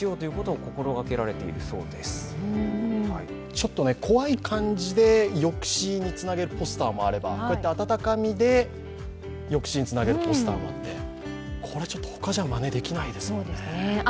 ちょっと怖い感じで抑止につなげるポスターもあれば、こうやって温かみで抑止につなげるポスターもあるのでこれ他じゃまねできないですよね。